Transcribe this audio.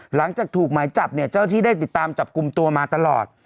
หลังจากถูกไหมจับเจ้าหนอที่ได้ติดตามจับกลุ่มตัวมาตลอด